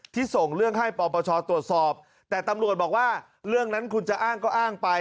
ส่งเรื่องให้ปปชตรวจสอบแต่ตำรวจบอกว่าเรื่องนั้นคุณจะอ้างก็อ้างไป